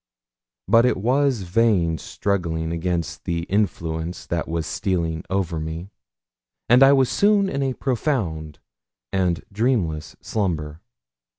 But it was vain struggling against the influence that was stealing over me, and I was soon in a profound and dreamless slumber.